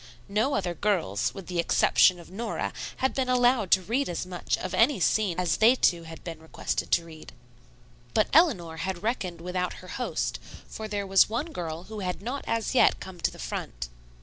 No other girls, with the exception of Nora, had been allowed to read as much of any scene as they two had been requested to read. But Eleanor had reckoned without her host, for there was one girl who had not as yet come to the front.